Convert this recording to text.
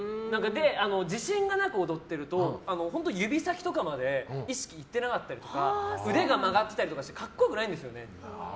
自信がなく踊ってると指先とかまで意識いってなかったりとか腕が曲がってたりして格好良くないんですよね。